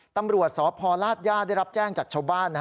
ตำรวจสพลาดย่าได้รับแจ้งจากชาวบ้าน